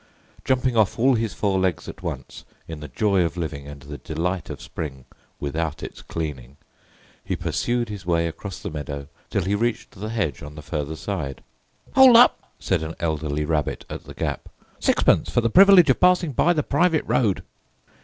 Jumping off all his four legs at once, in the joy of living and the delight of spring without its cleaning, he pursued his way across the meadow till he reached the hedge on the further side. "Hold up!" said an elderly rabbit at the gap. "Sixpence for the privilege of passing by the private road!"